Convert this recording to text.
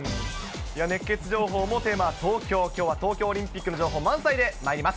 熱ケツ情報のテーマは東京、きょうは東京オリンピックの情報満載でまいります。